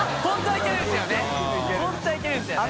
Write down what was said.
本当はいけるんですよね。